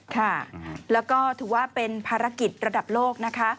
ค่ะแล้วก็ถือว่าเป็นภารกิจระดับโลกนะคะ